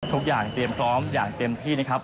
ทุกอย่างเตรียมพร้อมอย่างเต็มที่นะครับ